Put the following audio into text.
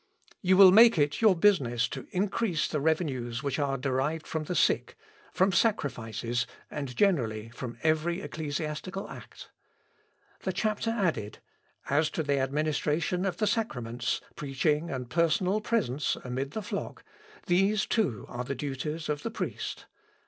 You will make it your business to increase the revenues which are derived from the sick, from sacrifices, and generally from every ecclesiastical act." The chapter added, "As to the administration of the sacraments, preaching, and personal presence, amid the flock, these too are duties of the priest.